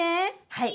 はい。